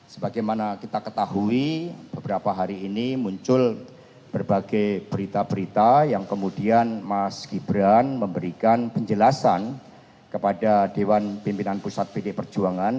sebagaimana kita ketahui beberapa hari ini muncul berbagai berita berita yang kemudian mas gibran memberikan penjelasan kepada dewan pimpinan pusat pd perjuangan